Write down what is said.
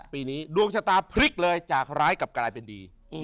ปีนี้ดวงชะตาพลิกเลยจากร้ายกลับกลายเป็นดี